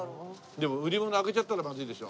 でも売り物開けちゃったらまずいでしょ。